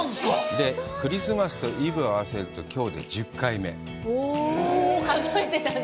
で、クリスマスとイブを合わせるときょうで１０回目。